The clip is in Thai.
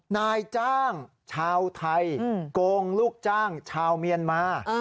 นายจ้างชาวไทยโกงลูกจ้างชาวเมียนมา